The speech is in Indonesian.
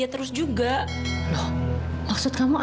terus kak kamu